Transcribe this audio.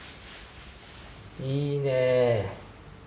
いいね。